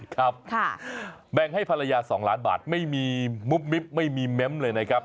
ครับแบ่งให้ภรรยา๒ล้านบาทไม่มีมุบมิบไม่มีเม้มเลยนะครับ